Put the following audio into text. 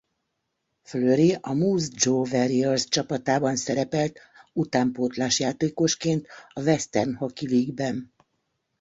Fleury a Moose Jaw Warriors csapatában szerepelt utánpótlás játékosként a Western Hockey League-ben.